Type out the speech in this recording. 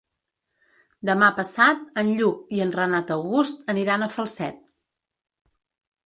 Demà passat en Lluc i en Renat August aniran a Falset.